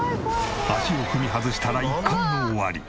足を踏み外したら一巻の終わり！